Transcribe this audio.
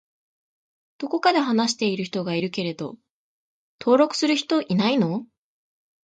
どこかで話している人がいるけど登録する人いないの？